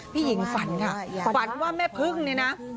ผียิงฝันค่ะฝันว่าแม่พึ่งนี่นะ